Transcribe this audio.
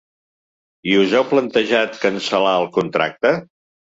I us heu plantejat cancel·lar el contracte?